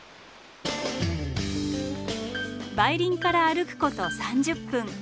梅林から歩くこと３０分。